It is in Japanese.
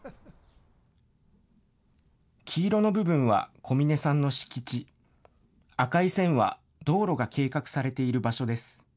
黄色の部分は小嶺さんの敷地、赤い線は道路が計画されている場所です。